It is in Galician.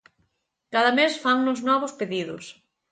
Cada mes fannos novos pedidos.